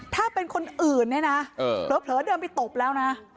ถ้าเป็นคนอื่นเนี่ยนะเผลอเดินไปตบแล้วนะ